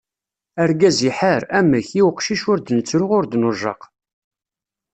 Argaz iḥar, amek, i uqcic ur d-nettru ur d-nujjaq.